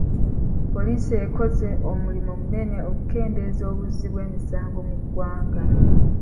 Poliisi ekoze omulimu munene okukendeeza obuzzi bw'emisango mu ggwanga.